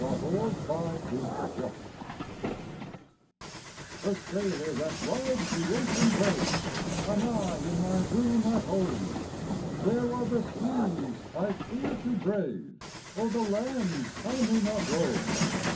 THE SAILOR A sailor that rides the ocean wave, Am I in my room at home : Where are the seas I iear to brave. Or the lands I may not roam?